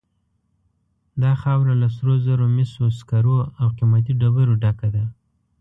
دا خاوره له سرو زرو، مسو، سکرو او قیمتي ډبرو ډکه ده.